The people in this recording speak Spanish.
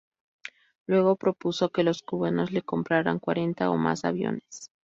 Luego propuso que los cubanos le compraran cuarenta o más aviones.